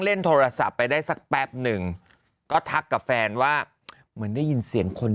เล่นโทรศัพท์ไปได้สักแป๊บหนึ่งก็ทักกับแฟนว่าเหมือนได้ยินเสียงคน